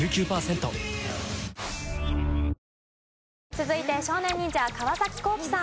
続いて少年忍者川皇輝さん。